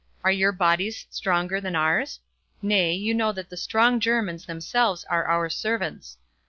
Are your bodies stronger than ours? nay, you know that the [strong] Germans themselves are our servants.